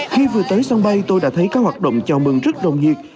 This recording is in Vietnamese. khi vừa tới sân bay tôi đã thấy các hoạt động chào mừng rất rồng nhiệt